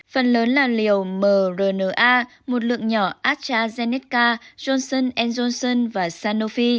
phần lớn là liều mrna một lượng nhỏ astrazeneca johnson johnson và sanofi